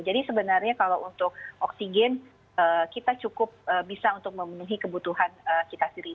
jadi sebenarnya kalau untuk oksigen kita cukup bisa untuk memenuhi kebutuhan kita sendiri